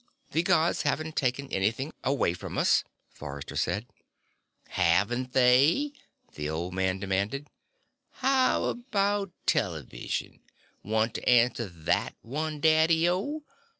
"The Gods haven't taken anything away from us," Forrester said. "Haven't they?" the old man demanded. "How about television? Want to answer that one, Daddy O?